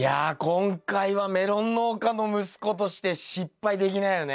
今回はメロン農家の息子として失敗できないよね。